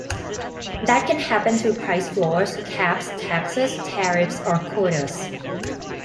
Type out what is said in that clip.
That can happen through price floors, caps, taxes, tariffs, or quotas.